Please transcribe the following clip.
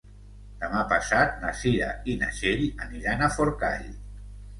Demà passat na Cira i na Txell aniran a Forcall.